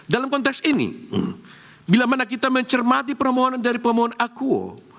dalam konteks ini bila mana kita mencermati permohonan dari pemohon akuo